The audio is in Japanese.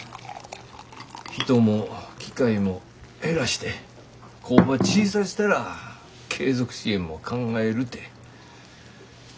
人も機械も減らして工場小さしたら継続支援も考えるて。